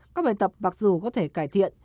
các bài tập bặc dù có thể cải thiện